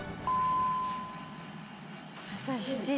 朝７時。